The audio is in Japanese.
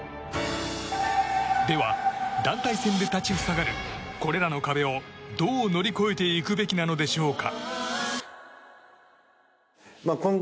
では、団体戦で立ち塞がるこれらの壁をどう乗り越えていくべきなのでしょうか。